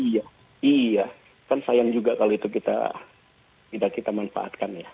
iya iya kan sayang juga kalau itu kita tidak kita manfaatkan ya